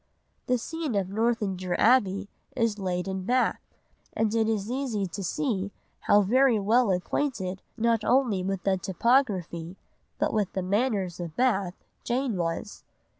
The scene of Northanger Abbey is laid in Bath, and it is easy to see how very well acquainted not only with the topography, but with the manners of Bath, Jane was.